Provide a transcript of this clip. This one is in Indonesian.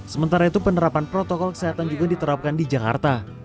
sementara itu penerapan protokol kesehatan juga diterapkan di jakarta